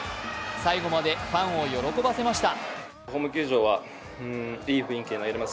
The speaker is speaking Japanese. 最後までファンを喜ばせました。